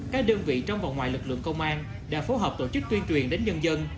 các đơn vị trong và ngoài lực lượng công an đã phối hợp tổ chức tuyên truyền đến nhân dân